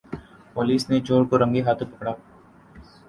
police نے چور کو رنگے ہاتھوں پکڑا